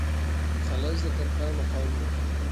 خلج د ترکانو قوم وو.